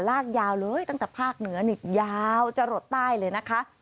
ลากยาวเลยตั้งแต่ภาคเหนือนี่ยาวจะหลดใต้เลยนะคะ